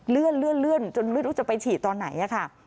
เลื่อนจนไม่รู้จะไปฉีดตอนไหนค่ะ